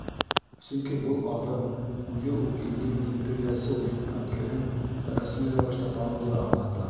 Сөнки был аҙым үҙе үк илдең империясыл йөкмәткеһен рәсми рәүештә таныуҙы аңлата.